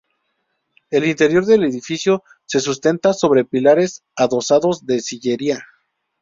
El interior del edificio se sustenta sobre pilares adosados de sillería.